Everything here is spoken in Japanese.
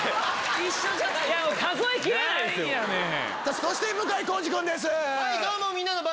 そして向井康二君です。